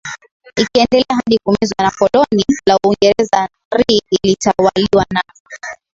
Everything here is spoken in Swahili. ikaendelea hadi kumezwa na koloni la Uingereza Nri ilitawaliwa na